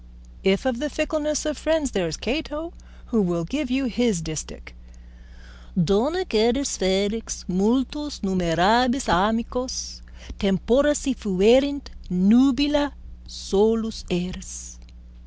If of the fickleness of friends, there is Cato, who will give you his distich: _Donec eris felix multos numerabis amicos, Tempora si fuerint nubila, solus eris.